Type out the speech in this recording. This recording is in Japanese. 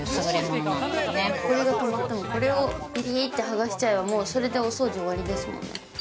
ほこりがたまっても、これをびーって剥がしちゃえば、もうそれでお掃除終わりですもんね。